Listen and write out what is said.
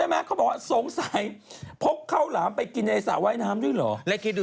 เมื่อกูหนันก้าวชีอากร